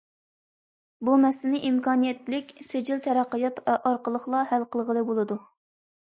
بۇ مەسىلىنى ئىمكانىيەتلىك سىجىل تەرەققىيات ئارقىلىقلا ھەل قىلغىلى بولىدۇ.